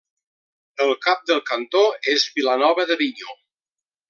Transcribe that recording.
El cap del cantó és Vilanova d'Avinyó.